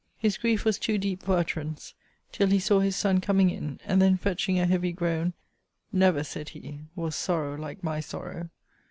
His grief was too deep for utterance, till he saw his son coming in; and then, fetching a heavy groan, Never, said he, was sorrow like my sorrow!